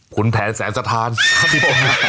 ขุนแผนสารสะทานครับผม